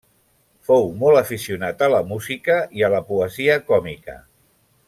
Fou molt aficionat a la música i a la poesia còmica.